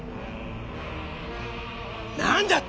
何だって！？